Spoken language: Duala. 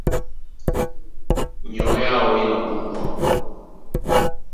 Nyɔ̌ áō í mapúmbwa.